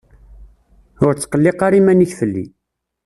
Ur ttqelliq ara iman-ik fell-i.